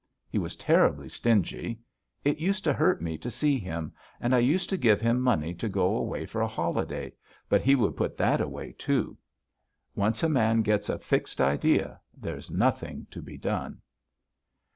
He was terribly stingy. It used to hurt me to see him, and I used to give him money to go away for a holiday, but he would put that away, too. Once a man gets a fixed idea, there's nothing to be done.